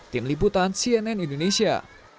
tim liputan cnn indonesia